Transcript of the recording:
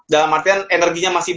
dalam artian energinya masih